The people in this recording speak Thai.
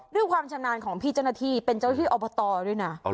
ความชำนาญของพี่เจ้าหน้าที่เป็นเจ้าที่อบตด้วยนะ